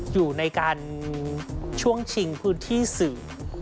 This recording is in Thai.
อยู่ในการช่วงชิงพื้นที่สื่อ